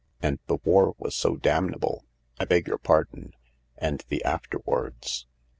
And the war was so damnable — I beg your pardon. And the afterwards.